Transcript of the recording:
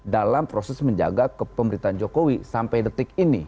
dalam proses menjaga kepemerintahan jokowi sampai detik ini